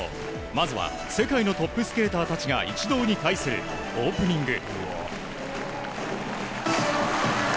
まずは世界のトップスケーターたちが一堂に会するオープニング。